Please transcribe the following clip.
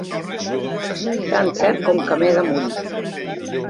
Tan cert com que m'he de morir.